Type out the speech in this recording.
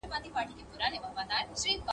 درې قلمان پاته کېږي.